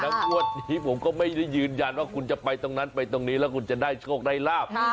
งวดนี้ผมก็ไม่ได้ยืนยันว่าคุณจะไปตรงนั้นไปตรงนี้แล้วคุณจะได้โชคได้ลาบ